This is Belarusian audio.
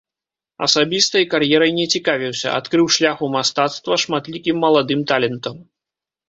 Асабістай кар'ерай не цікавіўся, адкрыў шлях у мастацтва шматлікім маладым талентам.